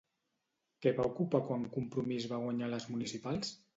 Què va ocupar quan Compromís va guanyar les municipals?